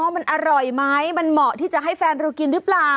มันอร่อยไหมมันเหมาะที่จะให้แฟนเรากินหรือเปล่า